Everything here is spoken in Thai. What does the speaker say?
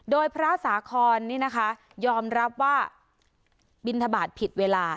โดยพระสาคอนนี่นะคะยอมรับว่าบินทบาทผิดเวลา